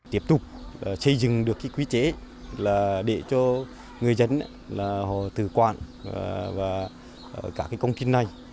tiếp tục xây dựng được cái quy chế là để cho người dân là họ tự quản và cả cái công kinh này